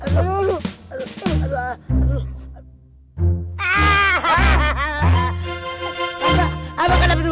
ya tuhan aku kena hape man